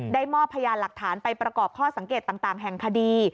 มอบพยานหลักฐานไปประกอบข้อสังเกตต่างแห่งคดี